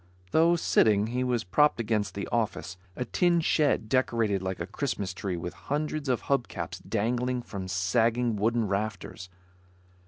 Though sitting, he was propped against the office; a tin shed decorated like a Christmas tree with hundreds of hub caps dangling from sagging wooden rafters.